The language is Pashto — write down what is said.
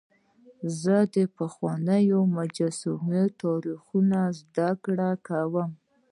زه د پخوانیو مجسمو تاریخ زدهکړه کوم.